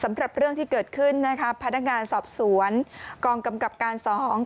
สำหรับเรื่องที่เกิดขึ้นนะครับพนักงานสอบสวนกรองกำกับการเสียงสวน